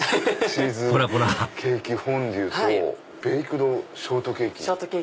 チーズケーキフォンデュとベイクドショートケーキ。